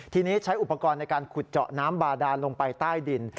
ทีนี้ใช้อุปกรณ์ในการขุดเจาะน้ำบาดานลงไปใต้ดิน